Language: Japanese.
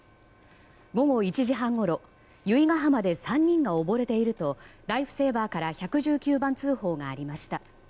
午後１時半ごろ、由比ガ浜で３人が溺れているとライフセーバーから１１９番通報がありました。